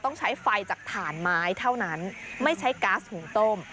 ต้องใช้ไฟจากถ่านไม้เท่านั้นไม่ใช้ก๊าซหุงต้ม